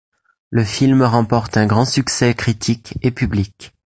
Le film remporte un grand succès critique et public.